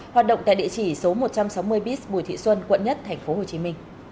hoạt động tại địa chỉ số một trăm sáu mươi b bùi thị xuân quận một tp hcm